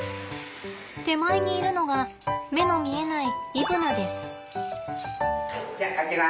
手前にいるのが目の見えないイブナです。